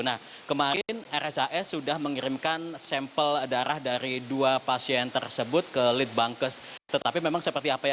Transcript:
nah kemarin rshs sudah mengirimkan sampel darah dari dua pasien tersebut ke litbangkes